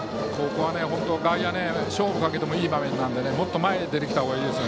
ここは外野勝負をかけてもいい場面なのでもっと前に出てきた方がいいです。